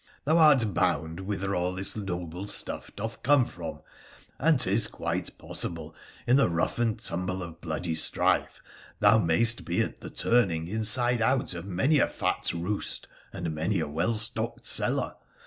Thou art bound whither all this noble stuff doth come from, and 'tis quite possible in the rough and tumble of bloody strife thou may'st be at the turning inside out of many a fat roost and many a well stocked cellar.